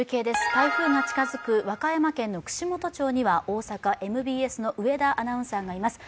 台風が近づく和歌山県串本町には大阪・ＭＢＳの上田アナウンサーがいます。